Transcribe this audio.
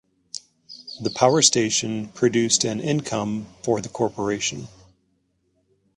The power station produced an income for the corporation.